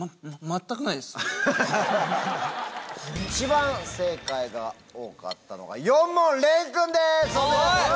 一番正解が多かったのが４問廉君です！